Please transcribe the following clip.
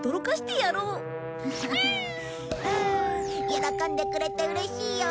喜んでくれてうれしいよ。